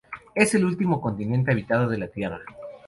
Es el último continente habitado de la Tierra.